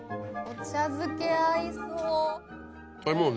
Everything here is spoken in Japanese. お茶漬け合いそう。